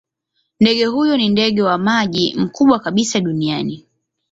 Ndege huyo ni ndege wa maji mkubwa kabisa duniani.